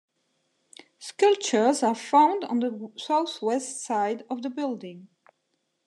Sculptures are found on the southwest side of the building.